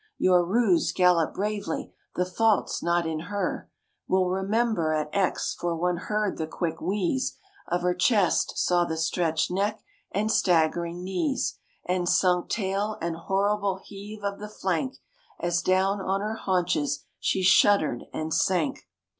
Your Roos galloped bravely, the fault's not in her, We'll remember at Aix" for one heard the quick wheeze Of her chest, saw the stretched neck, and staggering knees, And sunk tail, and horrible heave of the flank, As down on her haunches she shuddered and sank.